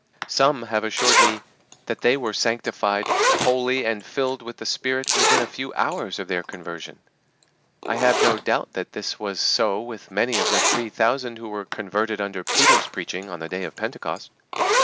Some have assured me that they were sanctified wholly and filled with the Spirit within a few hours of their conversion. I have no doubt that this was so with many of the three thousand who were converted under Peter's preaching on the day of Pentecost.